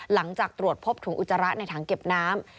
หลังจากตรวจพบถุงอุจจาระในถังเก็บน้ำ